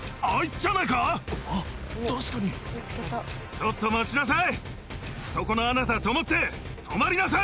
ちょっと待ちなさい！